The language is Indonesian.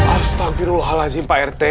astagfirullahaladzim pak rt